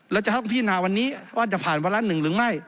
แล้วจะทั้งพี่นาวันนี้ว่าจะผ่านวันละ๑หรือไม่